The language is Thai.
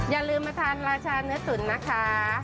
อย่าลืมมาทานราชาเนื้อตุ๋นนะคะ